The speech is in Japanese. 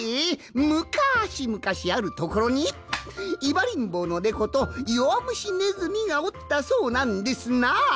むかしむかしあるところにいばりんぼうのネコとよわむしネズミがおったそうなんですな。